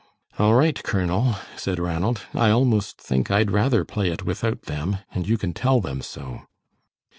"All right, Colonel," said Ranald; "I almost think I'd rather play it without them and you can tell them so."